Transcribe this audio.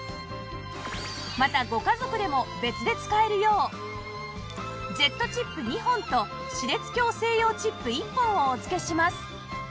またご家族でも別で使えるようジェットチップ２本と歯列矯正用チップ１本をお付けします